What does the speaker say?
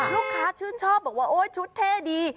ลูกค้าชื่นชอบบอกว่าโอ๊ยชุดเท่ดี